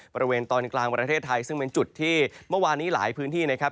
บริเวณตอนกลางประเทศไทยซึ่งเป็นจุดที่เมื่อวานนี้หลายพื้นที่นะครับ